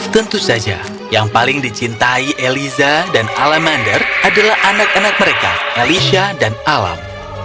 tentu saja yang paling dicintai eliza dan alamander adalah anak anak mereka elisha dan alam